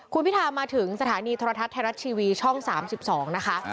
คุณพิทามาถึงสถานีทรศรัทธรรมไทยรัฐทรีวีช่อง๓๒นะคะ